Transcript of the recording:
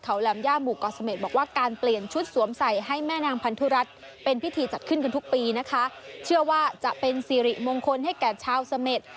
เขาแหลมย่าหมู่เกาะเสม็ดบอกว่าการเปลี่ยนชุดสวมใส่ให้แม่นางพันธุรัติเป็นพิธีจัดขึ้นกันทุกปีนะคะเชื่อว่าจะเป็นสิริมงคลให้แก่ชาวเสม็ด